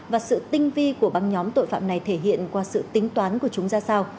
và sự tinh vi của băng nhóm tội phạm này thể hiện qua sự tính toán của chúng ra sao